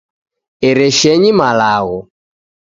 Ereshenyi malagho